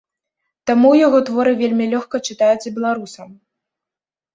Таму яго творы вельмі лёгка чытаюцца беларусам.